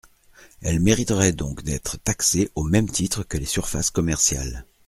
Elles mériteraient donc d’être taxées au même titre que les surfaces commerciales.